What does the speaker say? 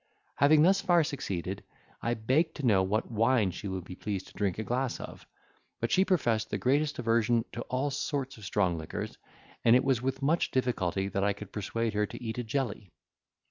Having thus far succeeded, I begged to know what wine she would be pleased to drink a glass of; but she professed the greatest aversion to all sorts of strong liquors, and it was with much difficulty that I could persuade her to eat a jelly.